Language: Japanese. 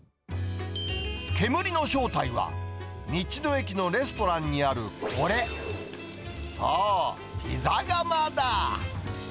煙の正体は、道の駅のレストランにあるこれ、そう、ピザ窯だ。